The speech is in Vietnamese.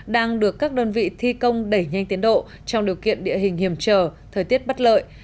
đang được các đơn vị thi công đẩy nhanh tiến độ trong điều kiện địa hình hiểm trở thời tiết bắt lợi